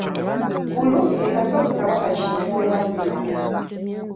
Ggulu ke kasozi Kabaka Kintu kweyabulira.